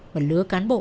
và lứa cán bộ